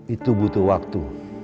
itu butuh waktu